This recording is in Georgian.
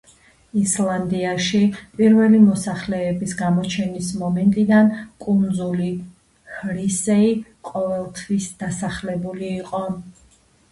ისლანდიაში პირველი მოსახლეების გამოჩენის მომენტიდან კუნძული ჰრისეი ყოველთვის დასახლებული იყო.